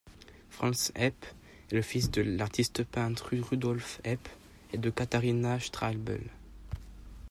Franz Epp est le fils de l’artiste peintre Rudolpf Epp et de Katharina Streibel.